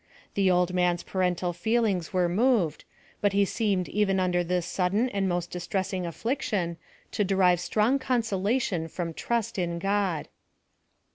The old man's parental feelings were moved, bui he seemed even under mis sudden and most dis tressiiig afiliction to derive strong consolation from trust in God.